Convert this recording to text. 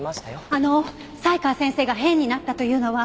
あの才川先生が変になったというのは？